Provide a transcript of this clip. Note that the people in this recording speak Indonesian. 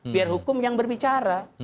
biar hukum yang berbicara